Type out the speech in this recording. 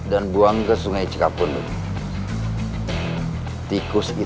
di rumah bang eddy ada tikus